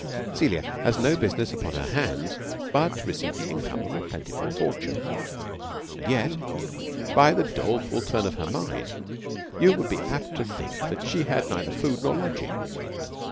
Caelia has no business upon her hands, but to receive the income of a plentiful for tune ; but yet, by the doleful turn of her mind, you would be apt to think that she had neither food nor lodging".